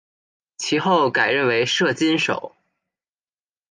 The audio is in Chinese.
其后改任为摄津守。